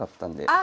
あ！